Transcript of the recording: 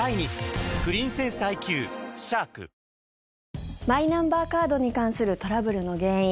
続くマイナンバーカードに関するトラブルの原因。